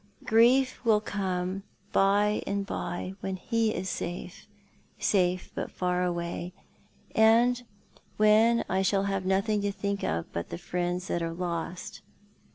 Grief will come by and by when he is safe — safe, but far away — and when I shall have nothing to think of but the friends that are lost."